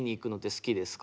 好きです。